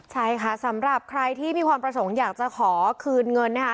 ใช่ค่ะสำหรับใครที่มีความประสงค์อยากจะขอคืนเงินนะคะ